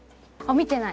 見てない！